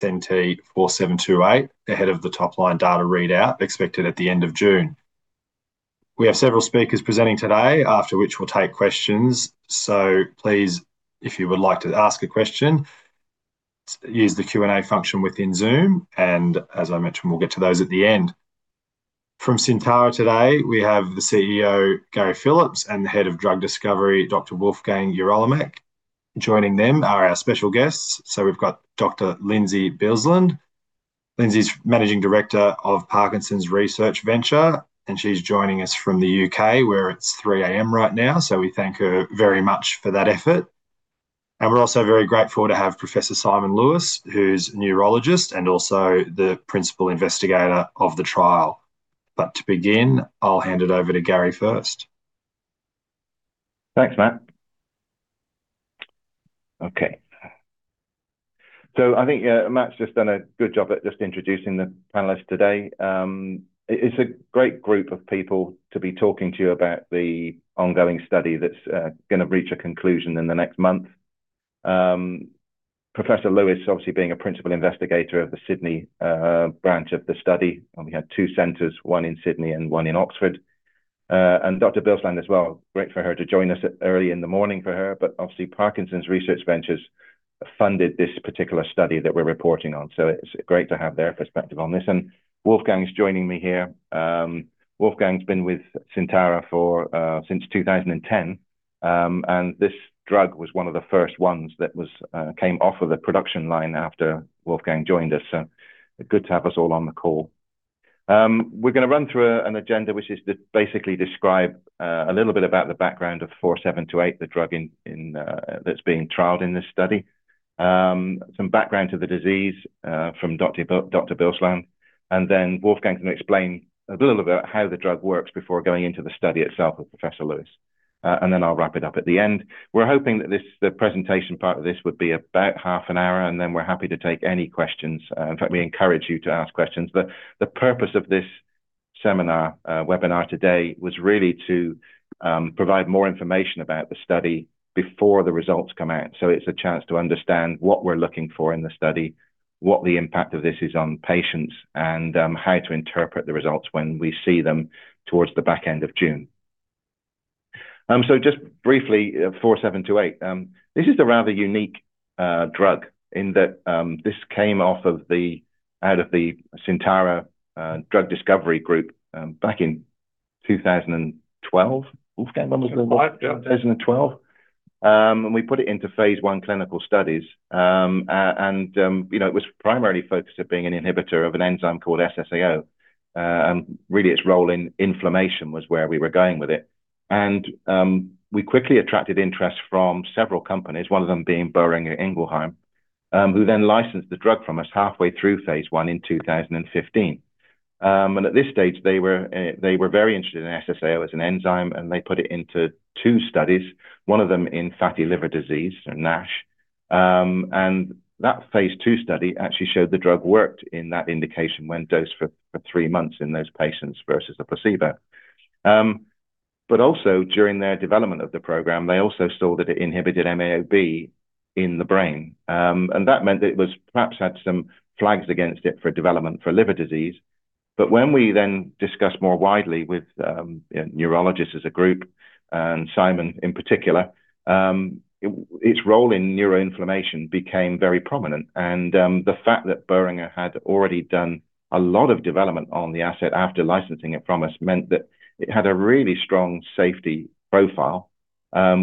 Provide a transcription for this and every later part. SNT-4728 ahead of the top-line data readout expected at the end of June. We have several speakers presenting today, after which we'll take questions, please, if you would like to ask a question, use the Q&A function within Zoom and as I mentioned, we'll get to those at the end. From Syntara today, we have the CEO, Gary Phillips, and the Head of Drug Discovery, Dr. Wolfgang Jarolimek. Joining them are our special guests. We've got Dr. Lynsey Bilsland. Lynsey's Managing Director of Parkinson's Research Ventures, and she's joining us from the U.K., where it's 3:00 A.M. right now, we thank her very much for that effort. We're also very grateful to have Professor Simon Lewis, who's a neurologist and also the principal investigator of the trial. To begin, I'll hand it over to Gary first. Thanks, Matt. Okay. I think Matt's just done a good job at just introducing the panelists today. It is a great group of people to be talking to you about the ongoing study that's going to reach a conclusion in the next month. Professor Lewis, obviously being a principal investigator of the Sydney branch of the study, and we had two centers, one in Sydney and one in Oxford. Dr. Bilsland as well, great for her to join us early in the morning for her. Obviously Parkinson's Research Ventures funded this particular study that we're reporting on, so it's great to have their perspective on this. Wolfgang's joining me here. Wolfgang's been with Syntara since 2010. This drug was one of the first ones that came off of the production line after Wolfgang joined us. Good to have us all on the call. We're going to run through an agenda, which is to basically describe a little bit about the background of SNT-4728, the drug that's being trialed in this study. Some background to the disease, from Dr. Bilsland, and then Wolfgang's going to explain a little bit how the drug works before going into the study itself with Professor Lewis. I'll wrap it up at the end. We're hoping that the presentation part of this would be about half an hour, and then we're happy to take any questions. In fact, we encourage you to ask questions. The purpose of this seminar, webinar today was really to provide more information about the study before the results come out. It's a chance to understand what we're looking for in the study, what the impact of this is on patients, and how to interpret the results when we see them towards the back end of June. Just briefly, SNT-4728. This is a rather unique drug in that, this came out of the Syntara Drug Discovery Group, back in 2012. Wolfgang, when was it? 2012. We put it into phase I clinical studies. It was primarily focused at being an inhibitor of an enzyme called SSAO. Really its role in inflammation was where we were going with it. We quickly attracted interest from several companies, one of them being Boehringer Ingelheim, who then licensed the drug from us halfway through phase I in 2015. At this stage, they were very interested in SSAO as an enzyme, and they put it into two studies, one of them in fatty liver disease, so NASH. That phase II study actually showed the drug worked in that indication when dosed for three months in those patients versus the placebo. Also during their development of the program, they also saw that it inhibited MAO-B in the brain. That meant that it perhaps had some flags against it for development for liver disease. When we then discussed more widely with neurologists as a group, and Simon in particular, its role in neuroinflammation became very prominent. The fact that Boehringer had already done a lot of development on the asset after licensing it from us meant that it had a really strong safety profile,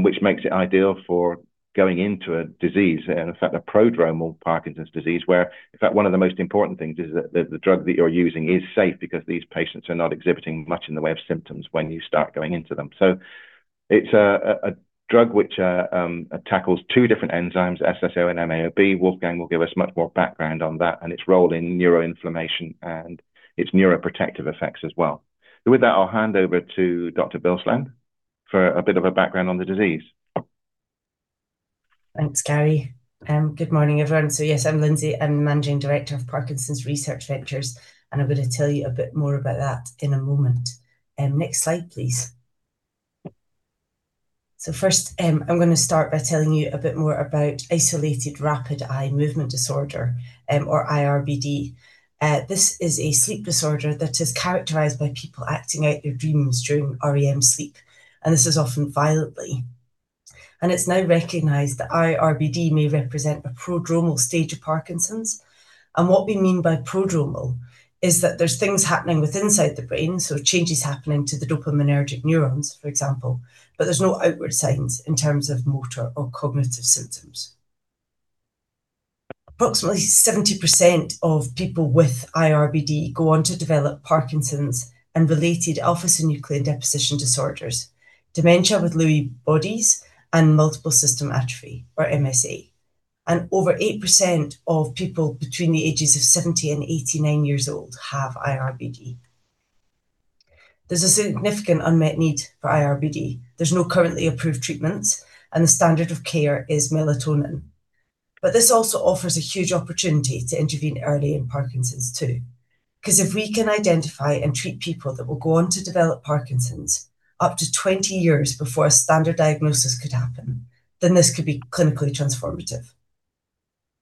which makes it ideal for going into a disease, in effect, a prodromal Parkinson's disease, where in fact one of the most important things is that the drug that you're using is safe because these patients are not exhibiting much in the way of symptoms when you start going into them. It's a drug which tackles two different enzymes, SSAO and MAO-B. Wolfgang will give us much more background on that and its role in neuroinflammation and its neuroprotective effects as well. With that, I'll hand over to Dr. Bilsland for a bit of a background on the disease. Thanks, Gary. Good morning, everyone. Yes, I'm Lynsey. I'm the managing director of Parkinson's Research Ventures, and I'm going to tell you a bit more about that in a moment. Next slide, please. First, I'm going to start by telling you a bit more about isolated rapid eye movement disorder, or iRBD. This is a sleep disorder that is characterized by people acting out their dreams during REM sleep, and this is often violently. It's now recognized that iRBD may represent a prodromal stage of Parkinson's. What we mean by prodromal is that there's things happening with inside the brain, so changes happening to the dopaminergic neurons, for example, but there's no outward signs in terms of motor or cognitive symptoms. Approximately 70% of people with iRBD go on to develop Parkinson's and related alpha-synuclein deposition disorders, dementia with Lewy bodies, and multiple system atrophy, or MSA. Over 8% of people between the ages of 70 and 89 years old have iRBD. There's a significant unmet need for iRBD. There's no currently approved treatments, and the standard of care is melatonin. This also offers a huge opportunity to intervene early in Parkinson's, too. If we can identify and treat people that will go on to develop Parkinson's up to 20 years before a standard diagnosis could happen. This could be clinically transformative.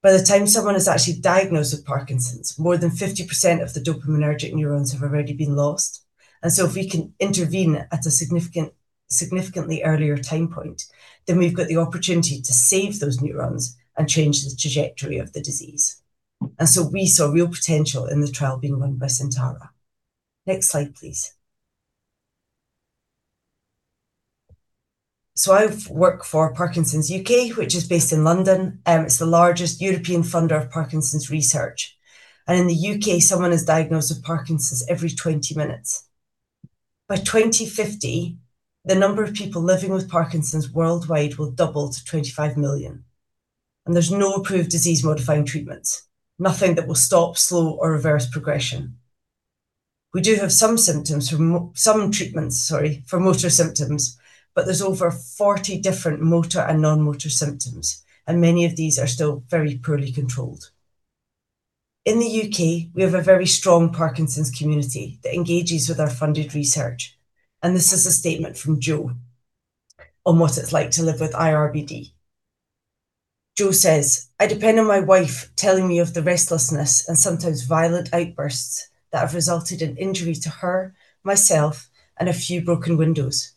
By the time someone is actually diagnosed with Parkinson's, more than 50% of the dopaminergic neurons have already been lost. If we can intervene at a significantly earlier time point, then we've got the opportunity to save those neurons and change the trajectory of the disease. We saw real potential in the trial being run by Syntara. Next slide, please. I've worked for Parkinson's U.K., which is based in London. It's the largest European funder of Parkinson's research. In the U.K., someone is diagnosed with Parkinson's every 20 minutes. By 2050, the number of people living with Parkinson's worldwide will double to 25 million, and there's no approved disease-modifying treatments, nothing that will stop, slow, or reverse progression. We do have some treatments for motor symptoms, but there's over 40 different motor and non-motor symptoms, and many of these are still very poorly controlled. In the U.K., we have a very strong Parkinson's community that engages with our funded research. This is a statement from Joe on what it's like to live with iRBD. Joe says, "I depend on my wife telling me of the restlessness and sometimes violent outbursts that have resulted in injury to her, myself, and a few broken windows.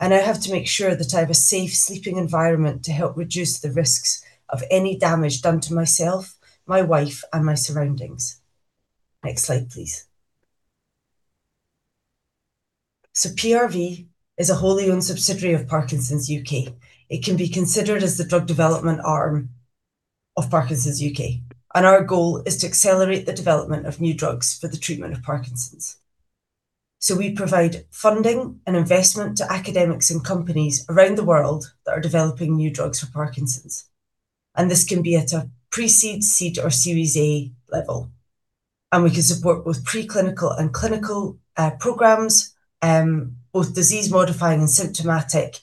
I now have to make sure that I have a safe sleeping environment to help reduce the risks of any damage done to myself, my wife, and my surroundings." Next slide, please. PRV is a wholly owned subsidiary of Parkinson's U.K. It can be considered as the drug development arm of Parkinson's U.K. Our goal is to accelerate the development of new drugs for the treatment of Parkinson's. We provide funding and investment to academics and companies around the world that are developing new drugs for Parkinson's. This can be at a pre-seed, seed, or Series A level. We can support both preclinical and clinical programs, both disease modifying and symptomatic,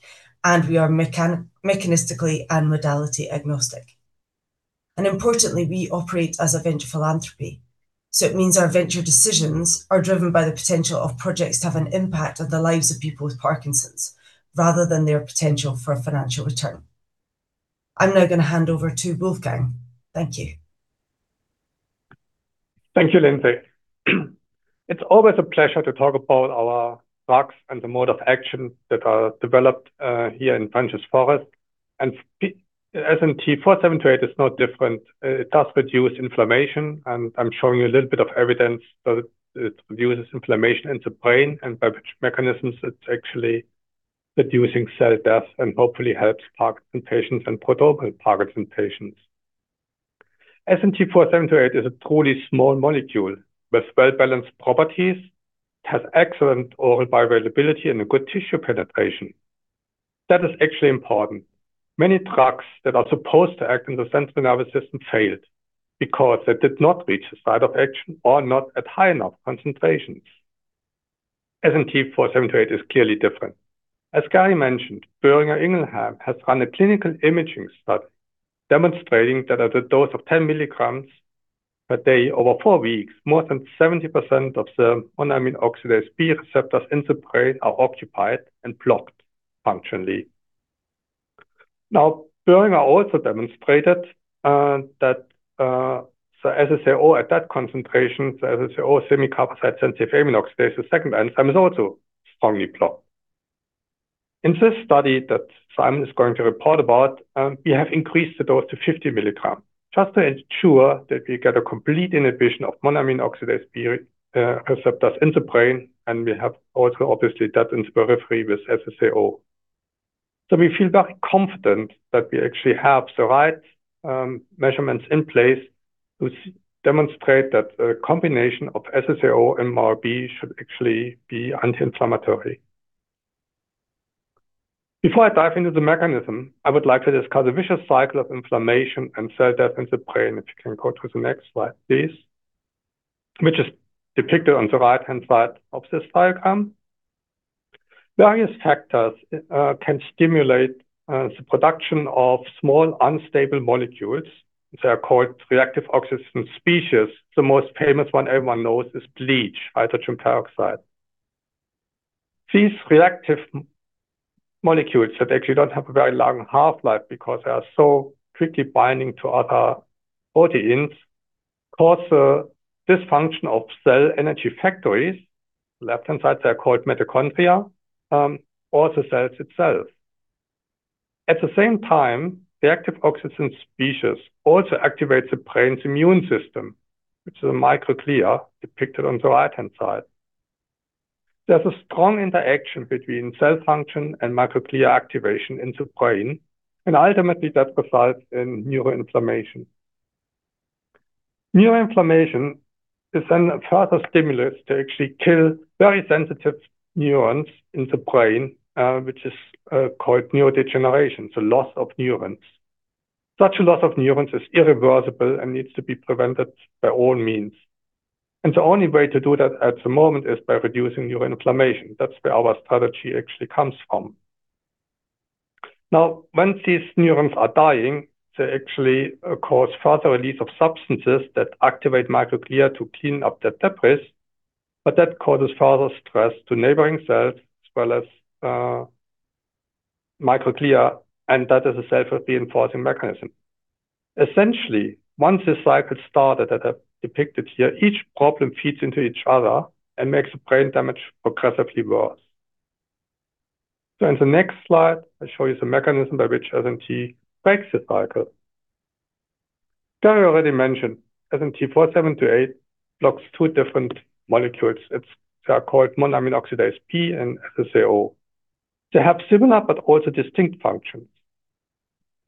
and we are mechanistically and modality agnostic. Importantly, we operate as a venture philanthropy, so it means our venture decisions are driven by the potential of projects to have an impact on the lives of people with Parkinson's rather than their potential for a financial return. I'm now going to hand over to Wolfgang. Thank you. Thank you, Lynsey. It's always a pleasure to talk about our drugs and the mode of action that are developed here in Frenchs Forest. SNT-4728 is no different. It does reduce inflammation, and I'm showing you a little bit of evidence that it reduces inflammation in the brain and by which mechanisms it's actually reducing cell death and hopefully helps Parkinson's patients and potential Parkinson's patients. SNT-4728 is a truly small molecule with well-balanced properties, has excellent oral bioavailability, and a good tissue penetration. That is actually important. Many drugs that are supposed to act in the central nervous system failed because they did not reach the site of action or not at high enough concentrations. SNT-4728 is clearly different. As Gary mentioned, Boehringer Ingelheim has run a clinical imaging study demonstrating that at a dose of 10 mg per day over four weeks, more than 70% of the Monoamine Oxidase-B receptors in the brain are occupied and blocked functionally. Now, Boehringer also demonstrated that the SSAO at that concentration, the SSAO semicarbazide-sensitive amine oxidase, the second enzyme, is also strongly blocked. In this study that Simon is going to report about, we have increased the dose to 50 mg just to ensure that we get a complete inhibition of Monoamine Oxidase-B receptors in the brain, and we have also obviously that in periphery with SSAO. So we feel very confident that we actually have the right measurements in place to demonstrate that a combination of SSAO and MAO-B should actually be anti-inflammatory. Before I dive into the mechanism, I would like to discuss a vicious cycle of inflammation and cell death in the brain, if you can go to the next slide, please, which is depicted on the right-hand side of this diagram. Various factors can stimulate the production of small, unstable molecules. They are called reactive oxygen species. The most famous one everyone knows is bleach, hydrogen peroxide. These reactive molecules that actually don't have a very long half-life because they are so quickly binding to other proteins, cause a dysfunction of cell energy factories, left-hand side, they are called mitochondria, or the cells itself. Reactive oxygen species also activate the brain's immune system, which is the microglia depicted on the right-hand side. There's a strong interaction between cell function and microglia activation in the brain, and ultimately, that results in neuroinflammation. Neuroinflammation is a further stimulus to actually kill very sensitive neurons in the brain, which is called neurodegeneration, the loss of neurons. Such a loss of neurons is irreversible and needs to be prevented by all means. The only way to do that at the moment is by reducing neuroinflammation. That's where our strategy actually comes from. Once these neurons are dying, they actually cause further release of substances that activate microglia to clean up the debris. That causes further stress to neighboring cells as well as microglia. That is a self-reinforcing mechanism. Essentially, once this cycle started that I've depicted here, each problem feeds into each other and makes the brain damage progressively worse. In the next slide, I show you the mechanism by which SNT breaks the cycle. Gary already mentioned SNT-4728 blocks two different molecules. They are called monoamine oxidase B and SSAO. They have similar but also distinct functions.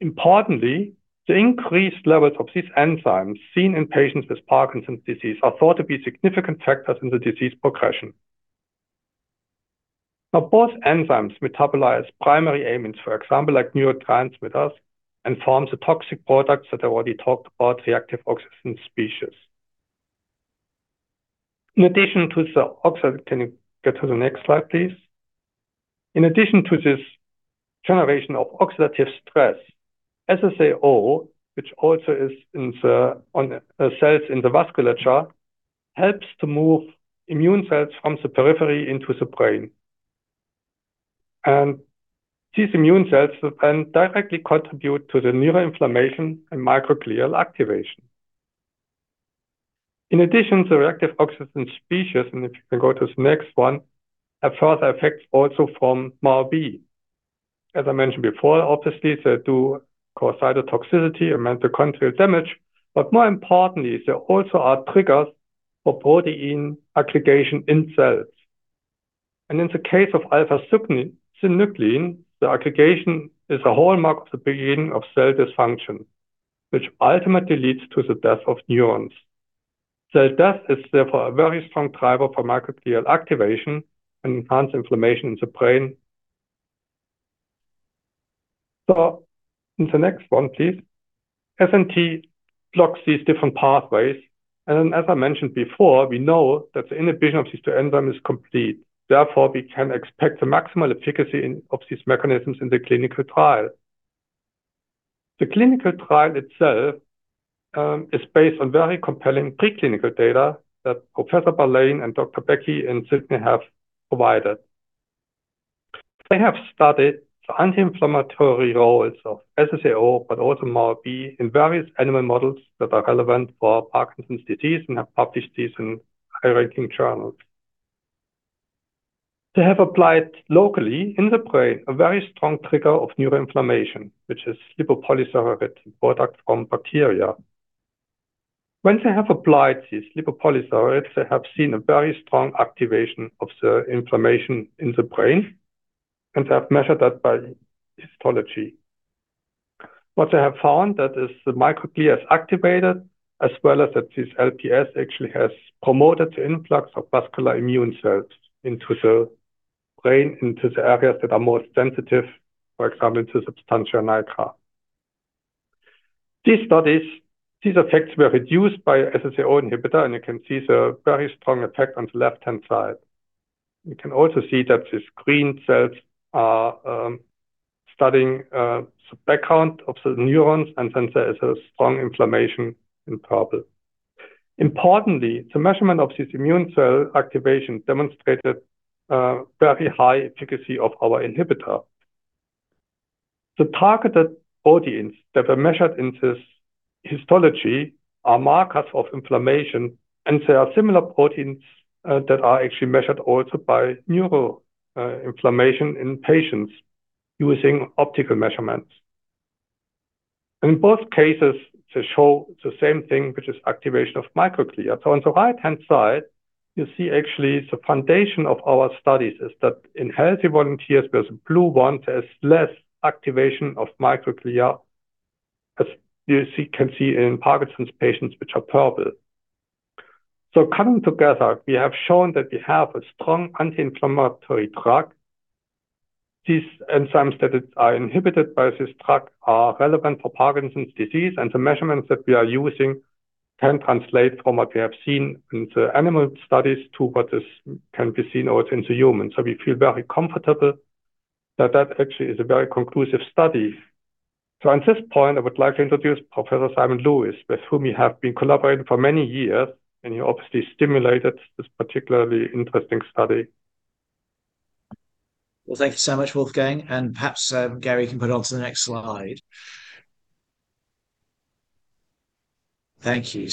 Importantly, the increased levels of these enzymes seen in patients with Parkinson's disease are thought to be significant factors in the disease progression. Both enzymes metabolize primary amines, for example, like neurotransmitters, and form the toxic products that I already talked about, reactive oxygen species. Can you get to the next slide, please? In addition to this generation of oxidative stress, SSAO, which also is in the cells in the vasculature, helps to move immune cells from the periphery into the brain. These immune cells then directly contribute to the neuroinflammation and microglial activation. In addition, the reactive oxygen species, and if you can go to the next one, have further effects also from MAO-B. As I mentioned before, obviously, they do cause cytotoxicity and mitochondrial damage. More importantly, they also are triggers for protein aggregation in cells. In the case of alpha-synuclein, the aggregation is a hallmark of the beginning of cell dysfunction, which ultimately leads to the death of neurons. Cell death is therefore a very strong driver for microglial activation and enhanced inflammation in the brain. In the next one, please. SNT blocks these different pathways. As I mentioned before, we know that the inhibition of this enzyme is complete. Therefore, we can expect the maximal efficacy of these mechanisms in the clinical trial. The clinical trial itself is based on very compelling preclinical data that Professor Bailain and Dr. Becky in Sydney have provided. They have studied the anti-inflammatory roles of SSAO, but also MAO-B, in various animal models that are relevant for Parkinson's disease and have published these in high-ranking journals. They have applied locally in the brain a very strong trigger of neuroinflammation, which is lipopolysaccharide product from bacteria. Once they have applied these lipopolysaccharides, they have seen a very strong activation of the inflammation in the brain, and they have measured that by histology. What they have found, that is the microglia is activated, as well as that this LPS actually has promoted the influx of vascular immune cells into the brain, into the areas that are more sensitive, for example, into substantia nigra. These studies, these effects were reduced by SSAO inhibitor, and you can see the very strong effect on the left-hand side. You can also see that these green cells are studying the background of the neurons, and then there is a strong inflammation in purple. Importantly, the measurement of this immune cell activation demonstrated very high efficacy of our inhibitor. The targeted proteins that were measured in this histology are markers of inflammation, and they are similar proteins that are actually measured also by neuroinflammation in patients using optical measurements. In both cases, they show the same thing, which is activation of microglia. On the right-hand side, you see actually the foundation of our studies is that in healthy volunteers, where the blue one, there's less activation of microglia, as you can see in Parkinson's patients, which are purple. Coming together, we have shown that we have a strong anti-inflammatory drug. These enzymes that are inhibited by this drug are relevant for Parkinson's disease, and the measurements that we are using can translate from what we have seen in the animal studies to what can be seen also in the humans. We feel very comfortable that that actually is a very conclusive study. At this point, I would like to introduce Professor Simon Lewis, with whom we have been collaborating for many years, and he obviously stimulated this particularly interesting study. Well, thank you so much, Wolfgang, and perhaps Gary can put on to the next slide. Thank you.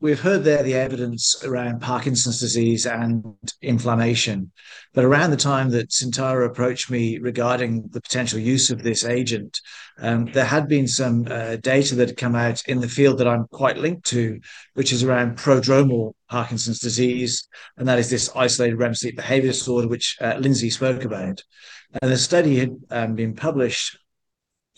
We've heard there the evidence around Parkinson's disease and inflammation. Around the time that Syntara approached me regarding the potential use of this agent, there had been some data that had come out in the field that I'm quite linked to, which is around prodromal Parkinson's disease, and that is this isolated REM sleep behavior disorder, which Lynsey spoke about. A study had been published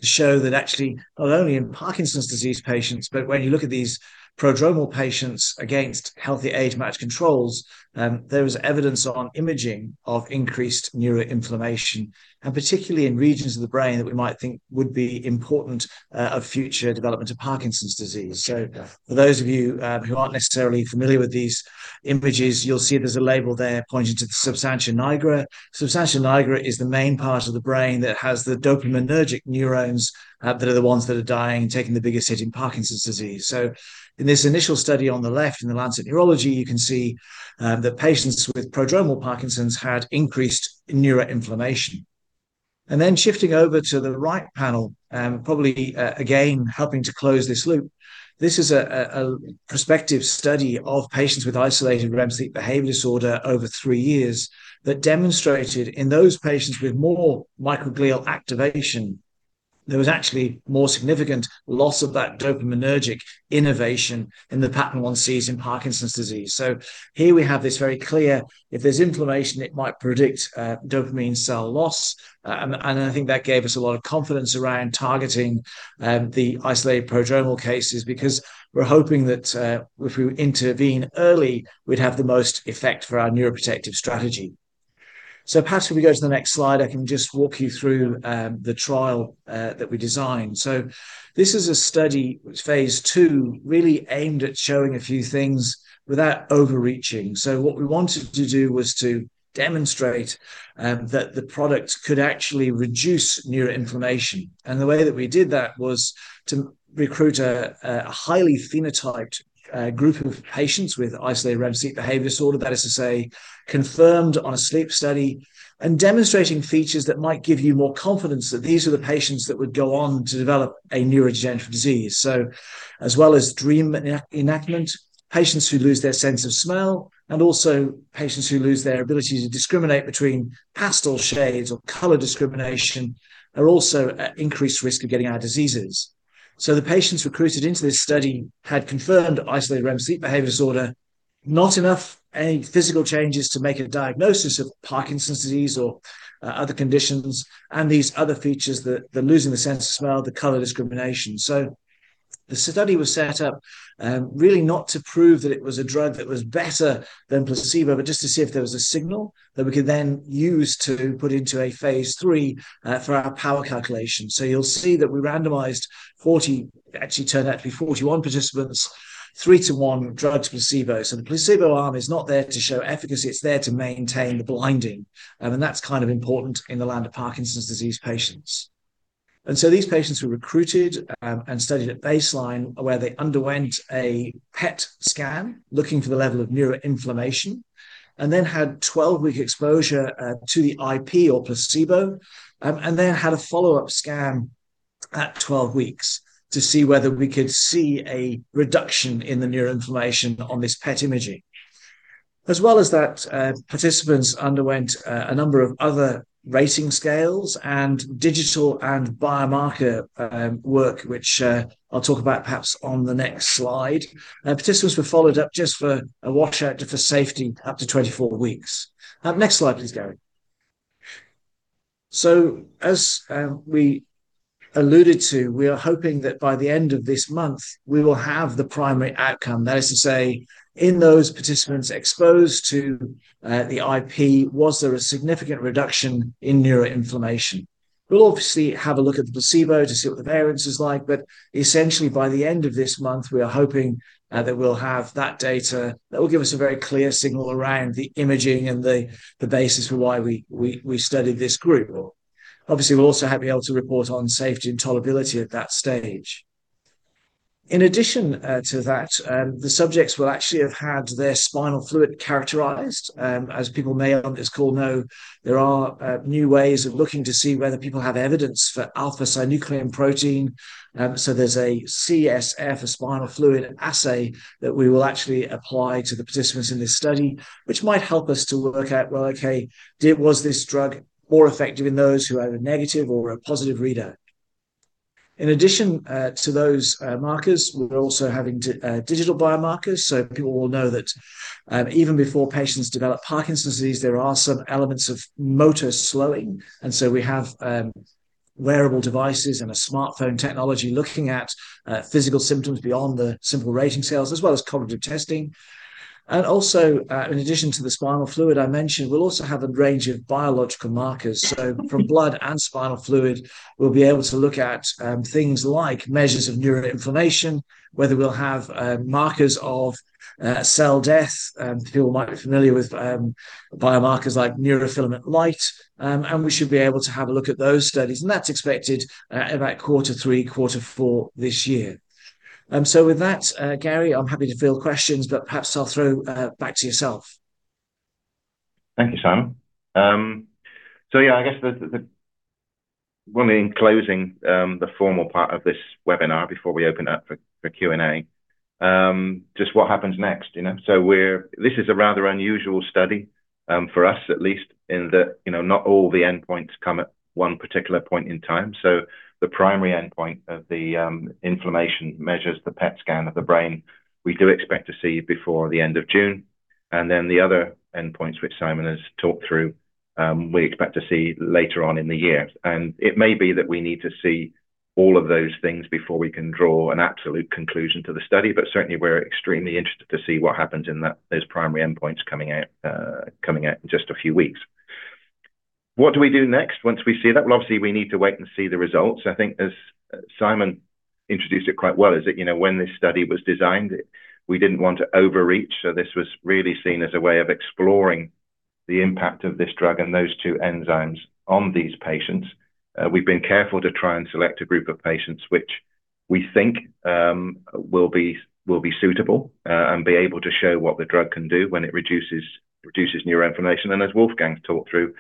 to show that actually not only in Parkinson's disease patients, but when you look at these prodromal patients against healthy age-matched controls, there was evidence on imaging of increased neuroinflammation, and particularly in regions of the brain that we might think would be important of future development of Parkinson's disease. For those of you who aren't necessarily familiar with these images, you will see there is a label there pointing to the substantia nigra. Substantia nigra is the main part of the brain that has the dopaminergic neurons that are the ones that are dying and taking the biggest hit in Parkinson's disease. In this initial study on the left in The Lancet Neurology, you can see that patients with prodromal Parkinson's had increased neuroinflammation. Shifting over to the right panel, probably again helping to close this loop. This is a prospective study of patients with isolated REM sleep behavior disorder over three years that demonstrated in those patients with more microglial activation, there was actually more significant loss of that dopaminergic innervation in the pattern one sees in Parkinson's disease. Here we have this very clear, if there is inflammation, it might predict dopamine cell loss. I think that gave us a lot of confidence around targeting the isolated prodromal cases because we're hoping that, if we intervene early, we'd have the most effect for our neuroprotective strategy. Perhaps if we go to the next slide, I can just walk you through the trial that we designed. This is a study, phase II, really aimed at showing a few things without overreaching. What we wanted to do was to demonstrate that the product could actually reduce neuroinflammation. The way that we did that was to recruit a highly phenotyped group of patients with isolated REM sleep behavior disorder, that is to say, confirmed on a sleep study and demonstrating features that might give you more confidence that these are the patients that would go on to develop a neurodegenerative disease. As well as dream enactment, patients who lose their sense of smell, and also patients who lose their ability to discriminate between pastel shades or color discrimination, are also at increased risk of getting our diseases. The patients recruited into this study had confirmed isolated REM sleep behavior disorder, not enough physical changes to make a diagnosis of Parkinson's disease or other conditions, and these other features, the losing the sense of smell, the color discrimination. The study was set up really not to prove that it was a drug that was better than placebo, but just to see if there was a signal that we could then use to put into a phase III for our power calculation. You'll see that we randomized 40, actually turned out to be 41 participants, three to one drug to placebo. The placebo arm is not there to show efficacy, it's there to maintain the blinding. That's kind of important in the land of Parkinson's disease patients. These patients were recruited and studied at baseline, where they underwent a PET scan, looking for the level of neuroinflammation, and then had 12-week exposure to the IP or placebo, and then had a follow-up scan at 12 weeks to see whether we could see a reduction in the neuroinflammation on this PET imaging. As well as that, participants underwent a number of other rating scales and digital and biomarker work, which I'll talk about perhaps on the next slide. Participants were followed up just for a watch out for safety up to 24 weeks. Next slide, please, Gary. As we alluded to, we are hoping that by the end of this month, we will have the primary outcome. That is to say, in those participants exposed to the IP, was there a significant reduction in neuroinflammation? We'll obviously have a look at the placebo to see what the variance is like, but essentially by the end of this month, we are hoping that we'll have that data. That will give us a very clear signal around the imaging and the basis for why we studied this group. Obviously, we'll also be able to report on safety and tolerability at that stage. In addition to that, the subjects will actually have had their spinal fluid characterized. As people may on this call know, there are new ways of looking to see whether people have evidence for alpha-synuclein protein. There's a CSF, a spinal fluid assay, that we will actually apply to the participants in this study, which might help us to work out, well, okay, was this drug more effective in those who had a negative or a positive readout? In addition to those markers, we're also having digital biomarkers. People will know that even before patients develop Parkinson's disease, there are some elements of motor slowing, we have wearable devices and a smartphone technology looking at physical symptoms beyond the simple rating scales, as well as cognitive testing. Also, in addition to the spinal fluid I mentioned, we'll also have a range of biological markers. From blood and spinal fluid, we'll be able to look at things like measures of neuroinflammation, whether we'll have markers of cell death. People might be familiar with biomarkers like neurofilament light. We should be able to have a look at those studies. That's expected about quarter three, quarter four this year. With that, Gary, I'm happy to field questions, but perhaps I'll throw back to yourself. Thank you, Simon. Yeah, I guess when we're closing the formal part of this webinar before we open up for Q&A, just what happens next. This is a rather unusual study, for us at least, in that not all the endpoints come at one particular point in time. The primary endpoint of the inflammation measures the PET scan of the brain, we do expect to see before the end of June. The other endpoints, which Simon has talked through, we expect to see later on in the year. It may be that we need to see all of those things before we can draw an absolute conclusion to the study. Certainly we're extremely interested to see what happens in those primary endpoints coming out in just a few weeks. What do we do next once we see that? Well, obviously, we need to wait and see the results. I think as Simon introduced it quite well is that, when this study was designed, we didn't want to overreach. This was really seen as a way of exploring the impact of this drug and those two enzymes on these patients. We've been careful to try and select a group of patients which we think will be suitable and be able to show what the drug can do when it reduces neuroinflammation. As Wolfgang's talked through,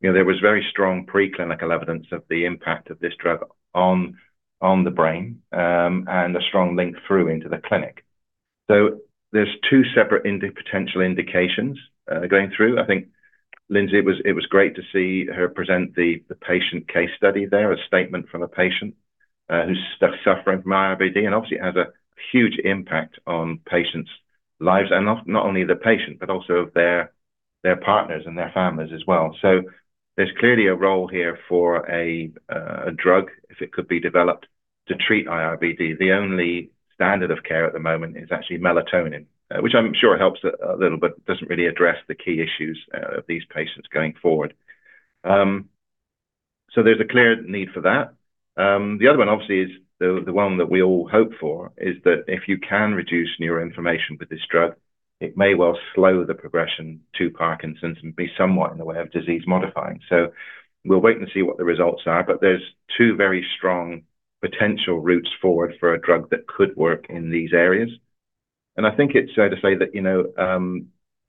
there was very strong preclinical evidence of the impact of this drug on the brain, and a strong link through into the clinic. There's two separate potential indications going through. I think Lynsey, it was great to see her present the patient case study there, a statement from a patient who's suffering from iRBD, obviously it has a huge impact on patients' lives. Not only the patient, but also of their partners and their families as well. There's clearly a role here for a drug if it could be developed to treat iRBD. The only standard of care at the moment is actually melatonin, which I'm sure helps a little, doesn't really address the key issues of these patients going forward. There's a clear need for that. The other one, obviously, is the one that we all hope for is that if you can reduce neuroinflammation with this drug, it may well slow the progression to Parkinson's and be somewhat in the way of disease modifying. We'll wait and see what the results are, but there's two very strong potential routes forward for a drug that could work in these areas. I think it's fair to say that,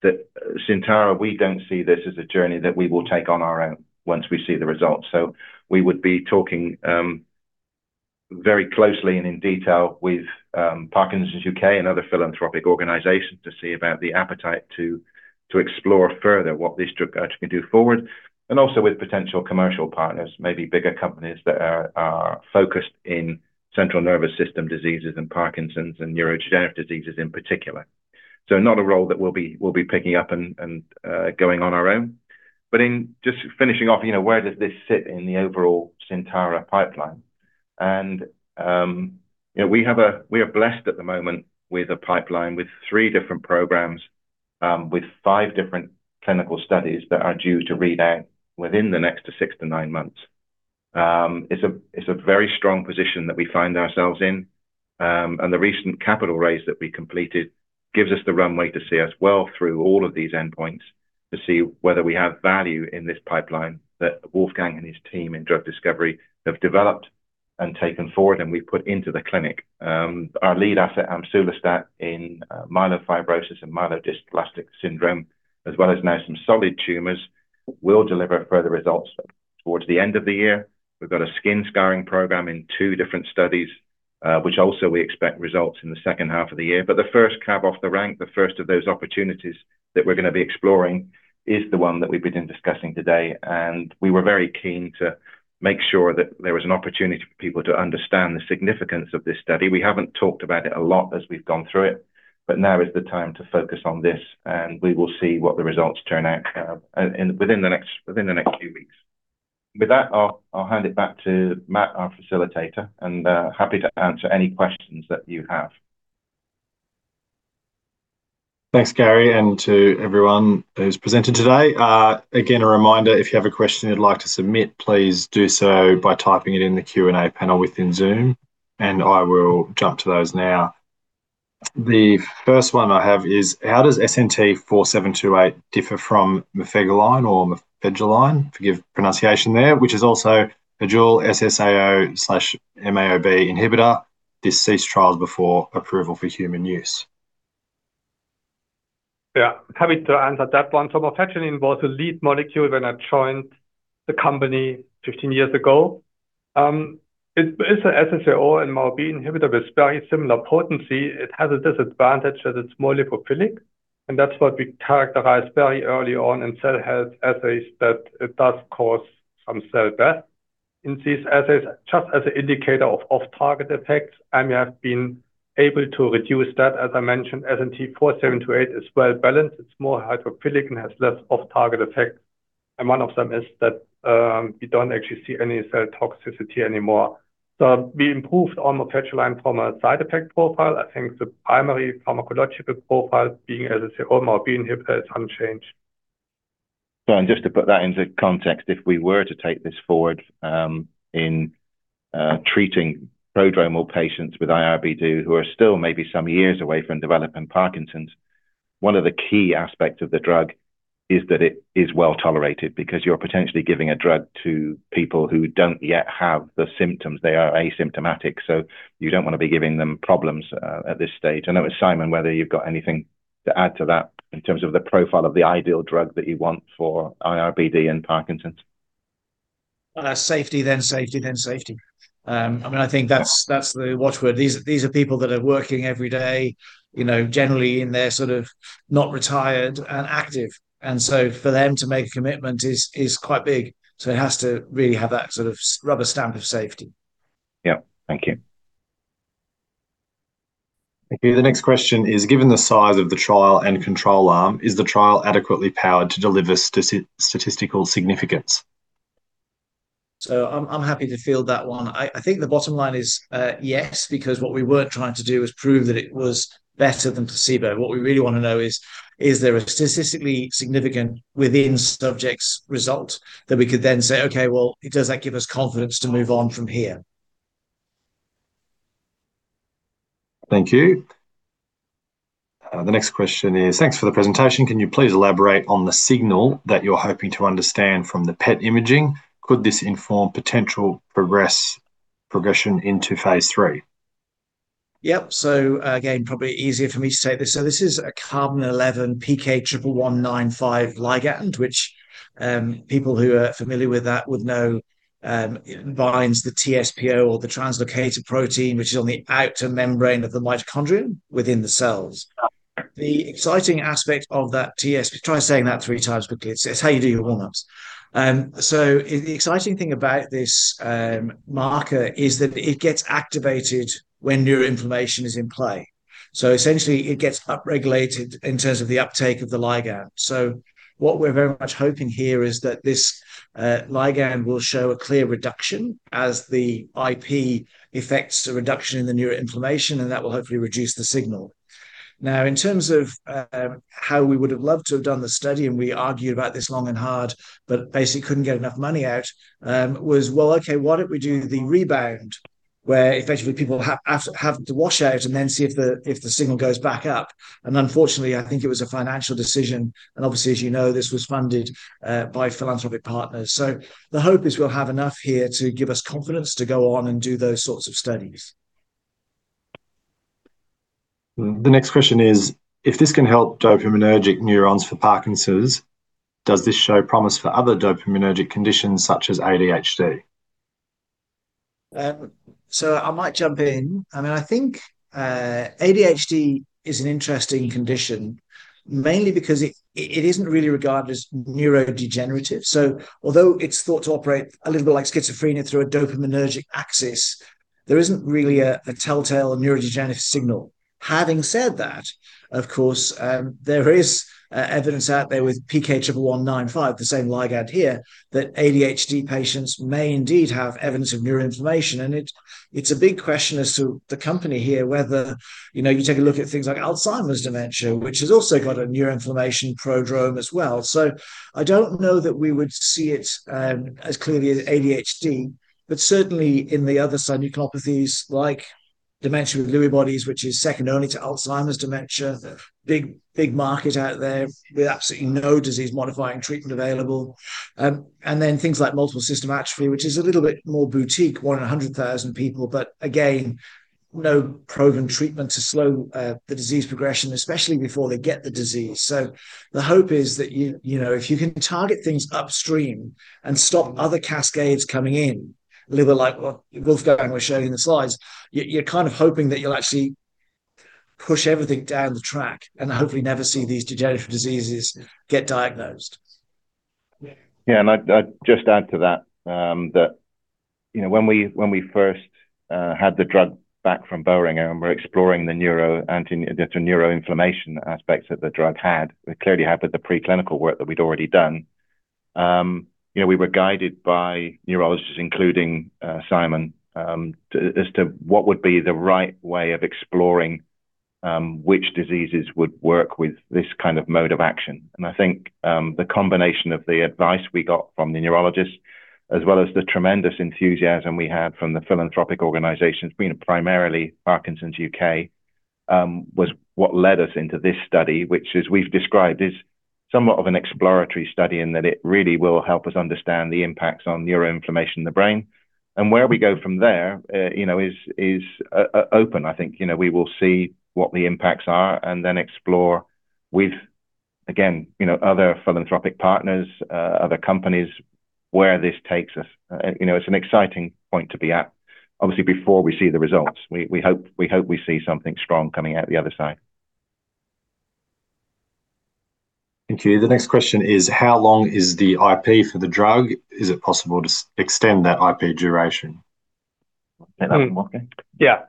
at Syntara, we don't see this as a journey that we will take on our own once we see the results. We would be talking very closely and in detail with Parkinson's U.K. and other philanthropic organizations to see about the appetite to explore further what this drug can do forward. Also with potential commercial partners, maybe bigger companies that are focused in central nervous system diseases and Parkinson's, and neurodegenerative diseases in particular. Not a role that we'll be picking up and going on our own. In just finishing off, where does this sit in the overall Syntara pipeline? We are blessed at the moment with a pipeline with three different programs, with five different clinical studies that are due to read out within the next six to nine months. It's a very strong position that we find ourselves in. The recent capital raise that we completed gives us the runway to see us well through all of these endpoints to see whether we have value in this pipeline that Wolfgang and his team in Drug Discovery have developed and taken forward and we've put into the clinic. Our lead asset, amsulostat, in myelofibrosis and myelodysplastic syndrome, as well as now some solid tumors, will deliver further results towards the end of the year. We've got a skin scarring program in two different studies, which also we expect results in the second half of the year. The first cab off the rank, the first of those opportunities that we're going to be exploring is the one that we've been discussing today, and we were very keen to make sure that there was an opportunity for people to understand the significance of this study. We haven't talked about it a lot as we've gone through it, but now is the time to focus on this, and we will see what the results turn out within the next few weeks. With that, I'll hand it back to Matt, our facilitator, and happy to answer any questions that you have. Thanks, Gary, and to everyone who's presented today. Again, a reminder, if you have a question you'd like to submit, please do so by typing it in the Q&A panel within Zoom, and I will jump to those now. The first one I have is, how does SNT-4728 differ from mofegiline, forgive pronunciation there, which is also a dual SSAO/MAO-B inhibitor? Ceased trials before approval for human use. Yeah, happy to answer that one. Mofegiline was a lead molecule when I joined the company 15 years ago. It is a SSAO and MAO-B inhibitor with very similar potency. It has a disadvantage that it's more lipophilic, and that's what we characterized very early on in cell health assays that it does cause some cell death in these assays. Just as an indicator of off-target effects, we have been able to reduce that. As I mentioned, SNT-4728 is well-balanced. It's more hydrophilic and has less off-target effects. One of them is that we don't actually see any cell toxicity anymore. We improved on mofegiline from a side effect profile. I think the primary pharmacological profile being, SSAO MAO-B inhibitor is unchanged. Just to put that into context, if we were to take this forward in treating prodromal patients with iRBD who are still maybe some years away from developing Parkinson's, one of the key aspects of the drug is that it is well-tolerated because you're potentially giving a drug to people who don't yet have the symptoms. They are asymptomatic, so you don't want to be giving them problems at this stage. I don't know, Simon, whether you've got anything to add to that in terms of the profile of the ideal drug that you want for iRBD and Parkinson's. Safety, then safety, then safety. I think that's the watch word. These are people that are working every day, generally, and they're sort of not retired and active. For them to make a commitment is quite big. It has to really have that sort of rubber stamp of safety. Yeah. Thank you. Thank you. The next question is, given the size of the trial and control arm, is the trial adequately powered to deliver statistical significance? I'm happy to field that one. I think the bottom line is, yes, because what we weren't trying to do was prove that it was better than placebo. What we really want to know is there a statistically significant within subjects result that we could then say, "Okay, well, does that give us confidence to move on from here? Thank you. The next question is, thanks for the presentation. Can you please elaborate on the signal that you're hoping to understand from the PET imaging? Could this inform potential progression into phase III? Yep. Again, probably easier for me to say this. This is a carbon-11 PK11195 ligand, which people who are familiar with that would know, it binds the TSPO or the translocator protein, which is on the outer membrane of the mitochondrion within the cells. The exciting aspect of that, try saying that three times quickly. It's how you do your warm-ups. The exciting thing about this marker is that it gets activated when neuroinflammation is in play. Essentially, it gets upregulated in terms of the uptake of the ligand. What we're very much hoping here is that this ligand will show a clear reduction as the IP effects a reduction in the neuroinflammation, and that will hopefully reduce the signal. In terms of how we would've loved to have done the study, and we argued about this long and hard, but basically couldn't get enough money out, was, well, okay, why don't we do the rebound where effectively people have to wash out and then see if the signal goes back up? Unfortunately, I think it was a financial decision. Obviously, as you know, this was funded by philanthropic partners. The hope is we'll have enough here to give us confidence to go on and do those sorts of studies. The next question is, if this can help dopaminergic neurons for Parkinson's, does this show promise for other dopaminergic conditions such as ADHD? I might jump in. I think ADHD is an interesting condition, mainly because it isn't really regarded as neurodegenerative. Although it's thought to operate a little bit like schizophrenia through a dopaminergic axis, there isn't really a telltale neurodegenerative signal. Having said that, of course, there is evidence out there with PK11195, the same ligand here, that ADHD patients may indeed have evidence of neuroinflammation. It's a big question as to the company here, whether you take a look at things like Alzheimer's dementia, which has also got a neuroinflammation prodrome as well. I don't know that we would see it as clearly as ADHD, but certainly in the other synucleinopathies like dementia with Lewy bodies, which is second only to Alzheimer's dementia, big market out there with absolutely no disease-modifying treatment available. Things like multiple system atrophy, which is a little bit more boutique, one in 100,000 people. Again, no proven treatment to slow the disease progression, especially before they get the disease. The hope is that if you can target things upstream and stop other cascades coming in, a little bit like what Wolfgang was showing in the slides, you're kind of hoping that you'll actually push everything down the track and hopefully never see these degenerative diseases get diagnosed. Yeah, and I'd just add to that, when we first had the drug back from Boehringer and were exploring the neuroinflammation aspects that the drug had, it clearly had the preclinical work that we'd already done. We were guided by neurologists, including Simon, as to what would be the right way of exploring which diseases would work with this kind of mode of action. I think the combination of the advice we got from the neurologists, as well as the tremendous enthusiasm we had from the philanthropic organizations, being primarily Parkinson's U.K., was what led us into this study which, as we've described, is somewhat of an exploratory study in that it really will help us understand the impacts on neuroinflammation in the brain. Where we go from there is open. I think we will see what the impacts are and then explore with, again, other philanthropic partners, other companies, where this takes us. It's an exciting point to be at. Obviously, before we see the results, we hope we see something strong coming out the other side. Thank you. The next question is, how long is the IP for the drug? Is it possible to extend that IP duration? Can I have Wolfgang? Yeah.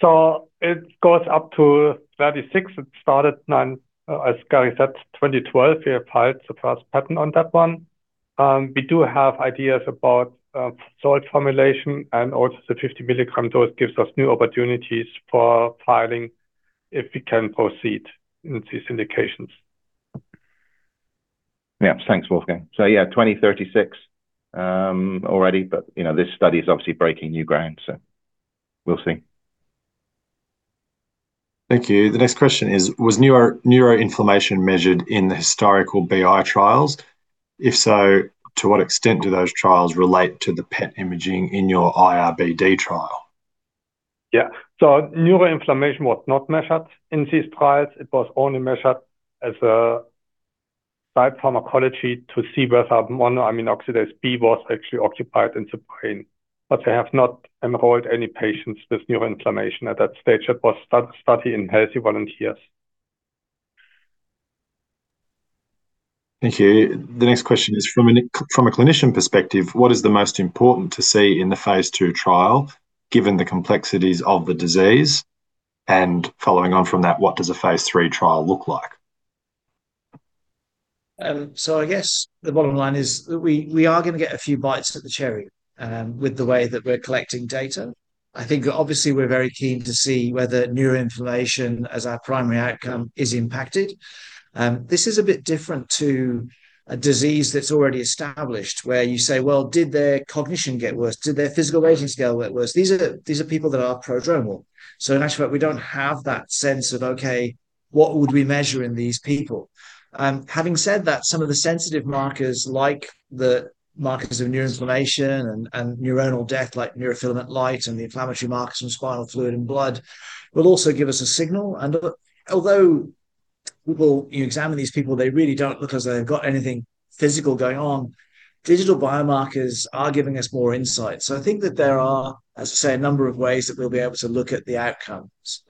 It goes up to 36. It started, as Gary said, 2012, we applied for the first patent on that one. We do have ideas about salt formulation and also the 50 milligram dose gives us new opportunities for filing if we can proceed in these indications. Yeah. Thanks, Wolfgang. Yeah, 2036 already, but this study is obviously breaking new ground, so we'll see. Thank you. The next question is, was neuroinflammation measured in the historical BI trials? If so, to what extent do those trials relate to the PET imaging in your iRBD trial? Neuroinflammation was not measured in these trials. It was only measured as a site pharmacology to see whether monoamine oxidase B was actually occupied in the brain, but they have not enrolled any patients with neuroinflammation at that stage. That was study in healthy volunteers. Thank you. The next question is, from a clinician perspective, what is the most important to see in the phase II trial, given the complexities of the disease? Following on from that, what does a phase III trial look like? I guess the bottom line is that we are going to get a few bites at the cherry with the way that we're collecting data. I think obviously we're very keen to see whether neuroinflammation as our primary outcome is impacted. This is a bit different to a disease that's already established where you say, "Well, did their cognition get worse? Did their physical rating scale get worse?" These are people that are prodromal. In actual fact, we don't have that sense of, okay, what would we measure in these people? Having said that, some of the sensitive markers, like the markers of neuroinflammation and neuronal death, like neurofilament light and the inflammatory markers from spinal fluid and blood, will also give us a signal. Although you examine these people, they really don't look as though they've got anything physical going on. Digital biomarkers are giving us more insight. I think that there are, as I say, a number of ways that we'll be able to look at the outcomes.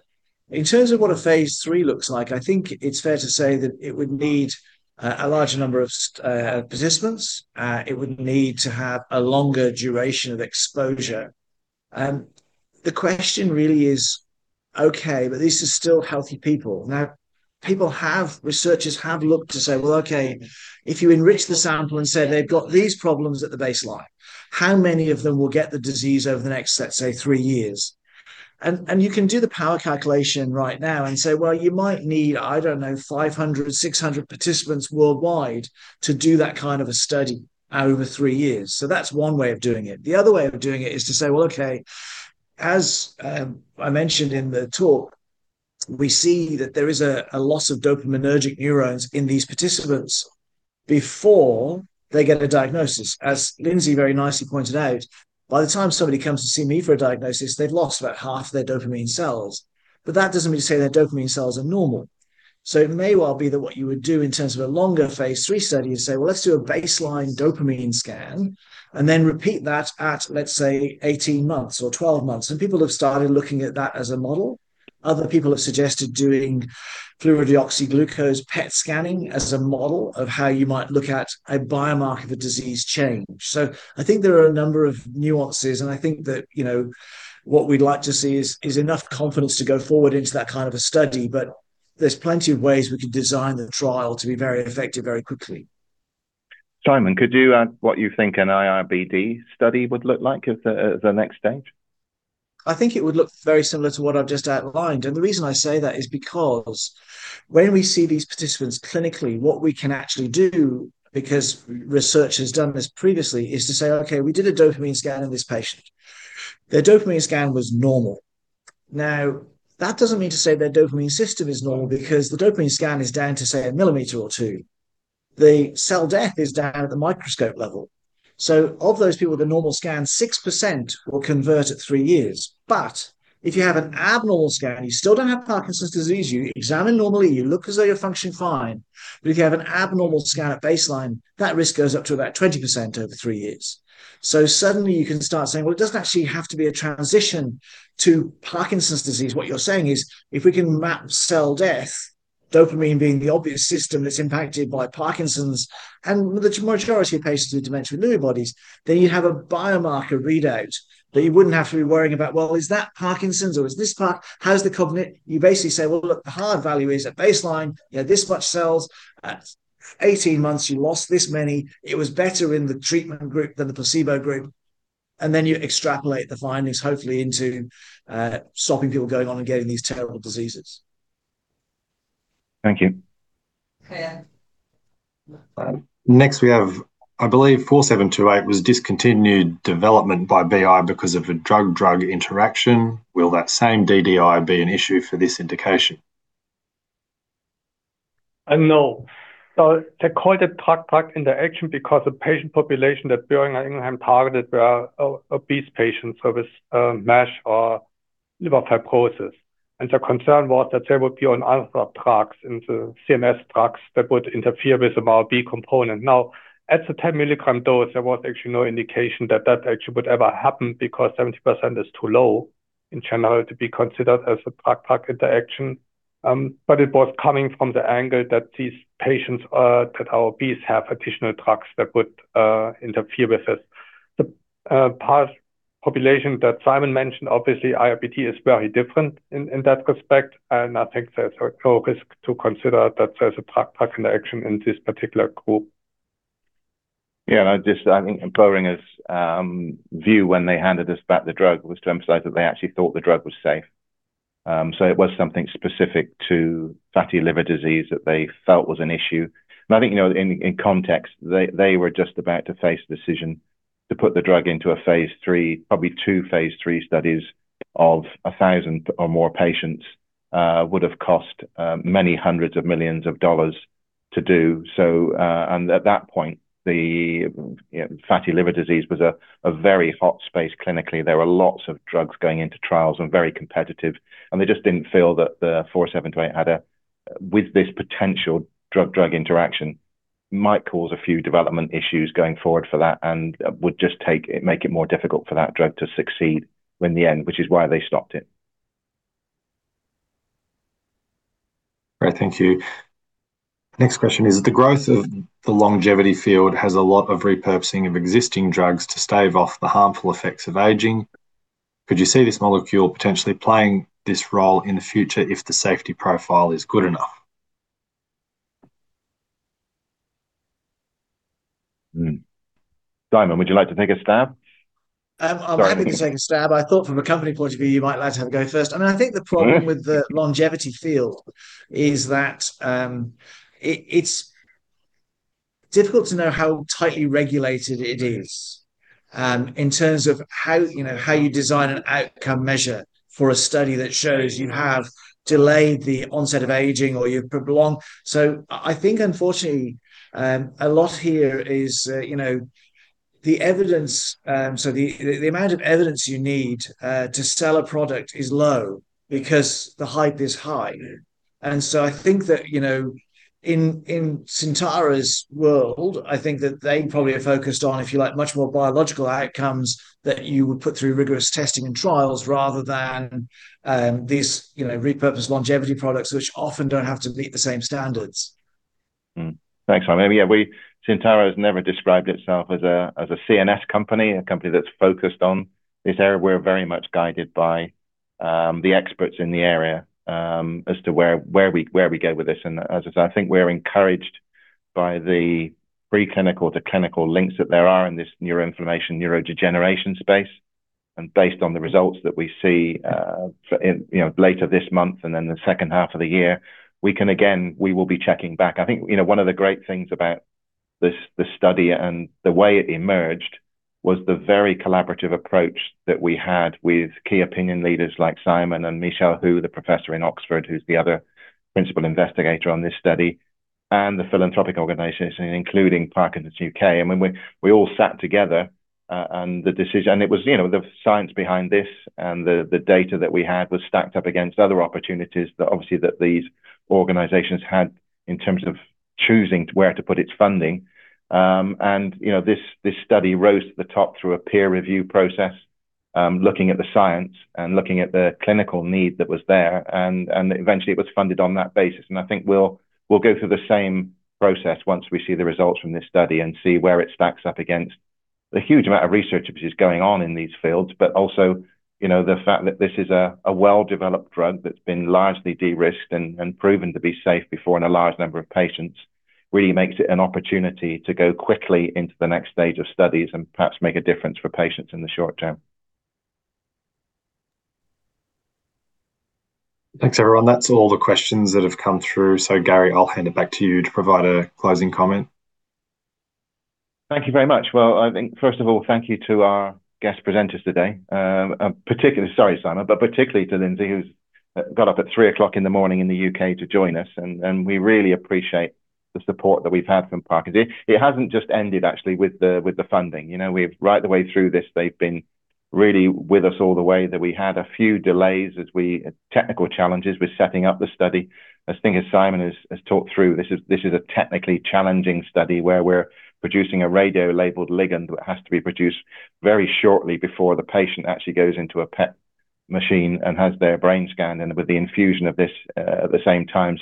In terms of what a phase III looks like, I think it's fair to say that it would need a larger number of participants. It would need to have a longer duration of exposure. The question really is, okay, these are still healthy people. Researchers have looked to say, well, okay, if you enrich the sample and say they've got these problems at the baseline, how many of them will get the disease over the next, let's say, three years? You can do the power calculation right now and say, well, you might need, I don't know, 500 or 600 participants worldwide to do that kind of a study over three years. That's one way of doing it. The other way of doing it is to say, well, okay, as I mentioned in the talk, we see that there is a loss of dopaminergic neurons in these participants before they get a diagnosis. As Lynsey very nicely pointed out, by the time somebody comes to see me for a diagnosis, they've lost about half of their dopamine cells. That doesn't mean to say their dopamine cells are normal. It may well be that what you would do in terms of a longer phase III study is say, well, let's do a baseline dopamine scan and then repeat that at, let's say, 18 months or 12 months. People have started looking at that as a model. Other people have suggested doing fluorodeoxyglucose PET scanning as a model of how you might look at a biomarker for disease change. I think there are a number of nuances, and I think that what we'd like to see is enough confidence to go forward into that kind of a study. There's plenty of ways we could design the trial to be very effective very quickly. Simon, could you add what you think an iRBD study would look like as the next stage? I think it would look very similar to what I've just outlined. The reason I say that is because when we see these participants clinically, what we can actually do, because research has done this previously, is to say, okay, we did a dopamine scan of this patient. Their dopamine scan was normal. That doesn't mean to say their dopamine system is normal, because the dopamine scan is down to, say, 1 mm or 2 mm. The cell death is down at the microscope level. Of those people with a normal scan, 6% will convert at three years. If you have an abnormal scan, you still don't have Parkinson's disease. You examine normally, you look as though you're functioning fine. If you have an abnormal scan at baseline, that risk goes up to about 20% over three years. Suddenly you can start saying, well, it doesn't actually have to be a transition to Parkinson's disease. What you're saying is, if we can map cell death, dopamine being the obvious system that's impacted by Parkinson's, and the majority of patients with dementia with Lewy bodies, then you'd have a biomarker readout that you wouldn't have to be worrying about, well, is that Parkinson's? You basically say, well, look, the hard value is at baseline, you had this much cells. At 18 months, you lost this many. It was better in the treatment group than the placebo group. Then you extrapolate the findings, hopefully, into stopping people going on and getting these terrible diseases. Thank you. Okay. Next we have, I believe SNT-4728 was discontinued development by BI because of a drug-drug interaction. Will that same DDI be an issue for this indication? No. They call it a drug-drug interaction because the patient population that Boehringer Ingelheim targeted were obese patients with MASH or liver fibrosis. The concern was that they would be on other drugs, in the CNS drugs that would interfere with the MAO-B component. At the 10-milligram dose, there was actually no indication that that actually would ever happen because 70% is too low in general to be considered as a drug-drug interaction. It was coming from the angle that these patients that are obese have additional drugs that would interfere with it. The population that Simon mentioned, obviously, iRBD is very different in that respect, and I think there's no risk to consider that there's a drug-drug interaction in this particular group. Yeah, I think Boehringer's view when they handed us back the drug was to emphasize that they actually thought the drug was safe. It was something specific to fatty liver disease that they felt was an issue. I think in context, they were just about to face the decision to put the drug into a phase III, probably two phase III studies of 1,000 or more patients would have cost many hundreds of millions of AUD to do. At that point, the fatty liver disease was a very hot space clinically. There were lots of drugs going into trials and very competitive, and they just didn't feel that the SNT-4728 with this potential drug-drug interaction might cause a few development issues going forward for that and would just make it more difficult for that drug to succeed in the end, which is why they stopped it. Right. Thank you. Next question is, the growth of the longevity field has a lot of repurposing of existing drugs to stave off the harmful effects of aging. Could you see this molecule potentially playing this role in the future if the safety profile is good enough? Simon, would you like to take a stab? I'm happy to take a stab. I thought from a company point of view, you might like to have a go first. I think the problem with the longevity field is that it's difficult to know how tightly regulated it is in terms of how you design an outcome measure for a study that shows you have delayed the onset of aging, or you prolong. I think, unfortunately, a lot here is the amount of evidence you need to sell a product is low because the hype is high. I think that in Syntara's world, I think that they probably are focused on, if you like, much more biological outcomes that you would put through rigorous testing and trials rather than these repurposed longevity products, which often don't have to meet the same standards. Thanks, Simon. Yeah, Syntara has never described itself as a CNS company, a company that's focused on this area. We're very much guided by the experts in the area as to where we go with this. As I said, I think we're encouraged by the preclinical to clinical links that there are in this neuroinflammation, neurodegeneration space. Based on the results that we see later this month and then the second half of the year, we will be checking back. I think one of the great things about this study and the way it emerged was the very collaborative approach that we had with key opinion leaders like Simon and Michele Hu, the professor in Oxford, who's the other principal investigator on this study, and the philanthropic organizations, including Parkinson's U.K. When we all sat together, the science behind this and the data that we had was stacked up against other opportunities that obviously these organizations had in terms of choosing where to put its funding. This study rose to the top through a peer review process, looking at the science and looking at the clinical need that was there, and eventually it was funded on that basis. I think we'll go through the same process once we see the results from this study and see where it stacks up against the huge amount of research which is going on in these fields. Also, the fact that this is a well-developed drug that's been largely de-risked and proven to be safe before in a large number of patients really makes it an opportunity to go quickly into the next stage of studies and perhaps make a difference for patients in the short term. Thanks, everyone. That's all the questions that have come through. Gary, I'll hand it back to you to provide a closing comment. Thank you very much. I think, first of all, thank you to our guest presenters today. Sorry, Simon, but particularly to Lynsey, who's got up at 3:00 A.M. in the U.K. to join us. We really appreciate the support that we've had from Parkinson's. It hasn't just ended, actually, with the funding. Right the way through this, they've been really with us all the way, that we had a few delays as we had technical challenges with setting up the study. I think as Simon has talked through, this is a technically challenging study where we're producing a radiolabeled ligand that has to be produced very shortly before the patient actually goes into a PET machine and has their brain scanned and with the infusion of this at the same time.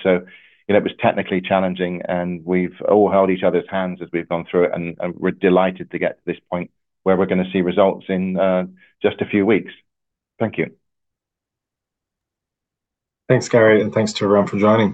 It was technically challenging and we've all held each other's hands as we've gone through it, and we're delighted to get to this point where we're going to see results in just a few weeks. Thank you. Thanks, Gary, and thanks to everyone for joining.